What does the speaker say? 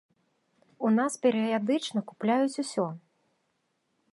У нас перыядычна купляюць усё.